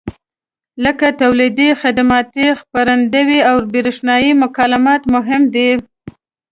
لکه تولیدي، خدماتي، خپرندویي او برېښنایي مکالمات مهم دي.